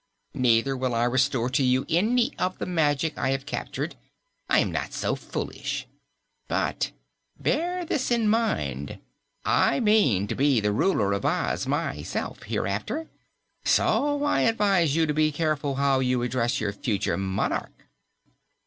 Neither will I restore to you any of the magic I have captured. I am not so foolish. But bear this in mind: I mean to be the Ruler of Oz myself, hereafter, so I advise you to be careful how you address your future Monarch."